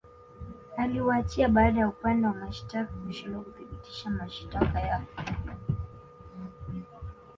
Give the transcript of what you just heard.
Aliwaachia baada ya upande wa mashitaka kushindwa kuthibitisha mashitaka yao